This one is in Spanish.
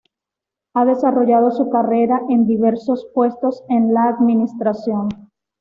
Ha desarrollado su carrera en diversos puestos en la administración.